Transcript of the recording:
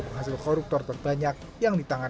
penghasil koruptor terbanyak yang ditangan